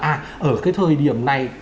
à ở cái thời điểm này